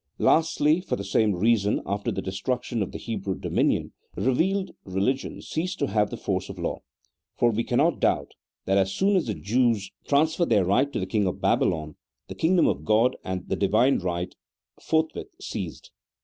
Lastly, for the same reason, after the destruction of the Hebrew dominion, revealed religion ceased to have the force of law; for we cannot doubt that as soon as the Jews 248 A THEOLOGICO POLITICAL TREATISE. [CHAP. XIX. transferred their right to the king of Babylon, the king dom of God and the Divine right forthwith ceased.